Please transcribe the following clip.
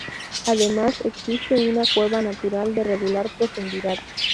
Además, existe una cueva natural de regular profundidad.